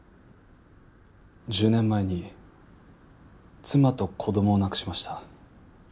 １０年前に妻と子供を亡くしました。